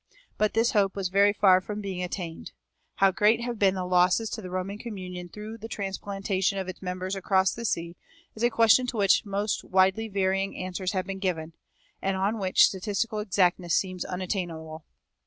But this hope was very far from being attained. How great have been the losses to the Roman communion through the transplantation of its members across the sea is a question to which the most widely varying answers have been given, and on which statistical exactness seems unattainable.